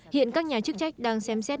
hiện các nhà chức trách đang xem xét